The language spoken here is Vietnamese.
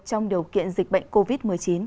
trong điều kiện dịch bệnh covid một mươi chín